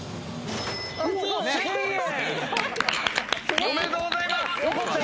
おめでとうございます！